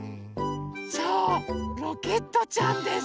そうロケットちゃんです！